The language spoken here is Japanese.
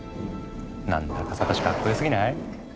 何だかサトシかっこよすぎない？